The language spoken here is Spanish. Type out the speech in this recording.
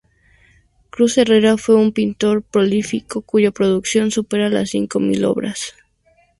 Cruz Herrera fue un pintor prolífico cuya producción supera las cinco mil obras.